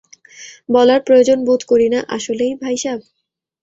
বলার প্রয়োজন বোধ করি না আসলেই ভাইসাব?